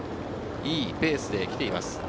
いいペースで来ています。